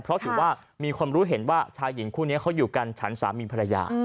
เพราะถือว่ามีคนรู้เห็นว่าชายหญิงคู่นี้เขาอยู่กันฉันสามีภรรยา